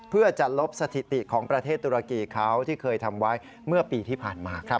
เพื่อจะลบสถิติของประเทศตุรกีเขาที่เคยทำไว้เมื่อปีที่ผ่านมาครับ